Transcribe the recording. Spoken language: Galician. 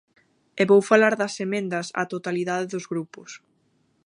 E vou falar das emendas á totalidade dos grupos.